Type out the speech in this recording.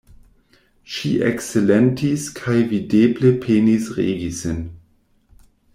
Ŝi eksilentis kaj videble penis regi sin.